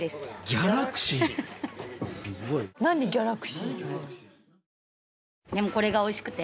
ギャラクシーって。